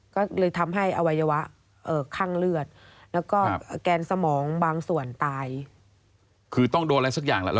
ก็เลยทำให้อวัยวะข้างเลือดแล้วก็แกนสมองบางส่วนตาย